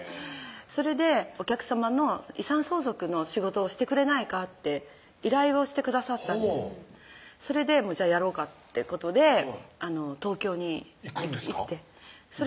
それで「お客さまの遺産相続の仕事をしてくれないか？」って依頼をしてくださったんですほうそれでじゃあやろうかってことで東京に行くんですか？